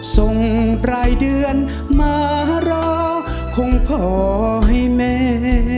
ส่งปลายเดือนมารอคงพอให้แม่